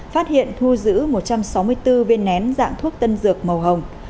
phát hiện thu giữ một trăm sáu mươi bốn viên nén dạng thuốc tân dược màu hồng